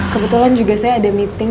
kebetulan juga saya ada meeting